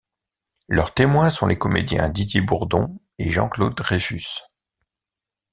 Leurs témoins sont les comédiens Didier Bourdon et Jean-Claude Dreyfus.